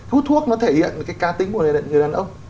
hút thuốc nó thể hiện cái ca tính của người đàn ông